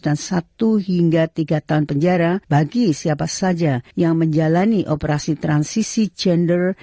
dan satu hingga tiga tahun penjara bagi siapa saja yang menjalani operasi transisi gender